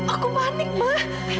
aku panik ma